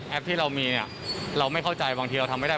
ที่เรามีเนี่ยเราไม่เข้าใจบางทีเราทำไม่ได้